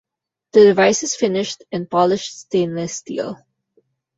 The device is finished in polished stainless steel.